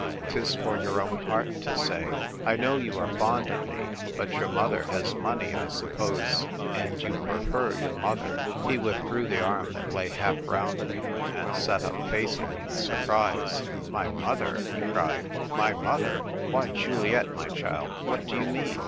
" Tis for your own heart to say. I know you are fond of me. But — your mother has money, I sup pose, and you prefer your mother." He withdrew the arm that lay half round me, and sat up facing me in surprise. " My mother !" he cried. " My mother ! Why, Juliet, my child, what do you mean